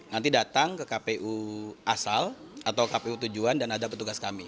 nanti datang ke kpu asal atau kpu tujuan dan ada petugas kami